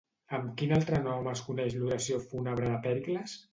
Amb quin altre nom es coneix l'Oració fúnebre de Pèricles?